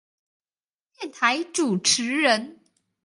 電台主持人